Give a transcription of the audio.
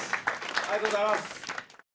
ありがとうございます。